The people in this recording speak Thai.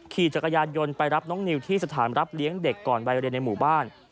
ขี่จักรยานยนต์ไปรับน้องนิวที่สถานรับเลี้ยงเด็กก่อนวัยเรียนในหมู่บ้าน